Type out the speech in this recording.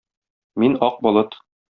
Мин-ак болыт.